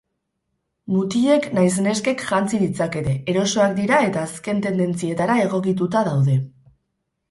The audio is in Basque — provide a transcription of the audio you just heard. Mutilek nahiz neskek jantzi ditzakete, erosoak dira eta azken tendentzietara egokituta daude.